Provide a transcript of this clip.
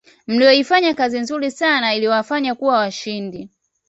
mliyoifanya kazi nzuri sana iliyowafanya kuwa washindi